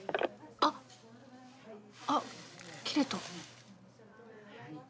☎あっあっ切れた。